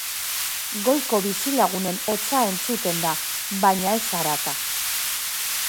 Goiko bizilagunen hotsa entzuten da, baina ez zarata.